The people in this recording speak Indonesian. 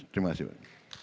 terima kasih pak